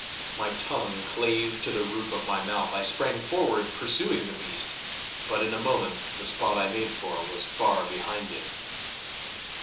My tongue clave to the roof of my mouth. I sprang forward pursuing the beast. But in a moment the spot I made for was far behind it.